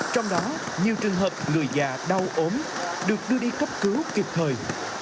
trong đó nhiều trường hợp người già đau ốm được đưa đi cấp cứu kịp thời